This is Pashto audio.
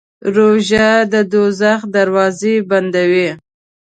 روژه د دوزخ دروازې بندوي.